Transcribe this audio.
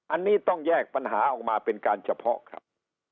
อันนี้ต้องแยกปัญหาออกมาเป็นการเฉพาะครับ